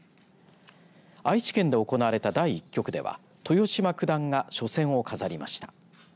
愛知県で行われた第１局では豊島九段が初戦を飾りました。